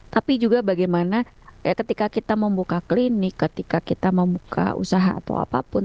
tapi juga bagaimana ketika kita membuka klinik ketika kita membuka usaha atau apapun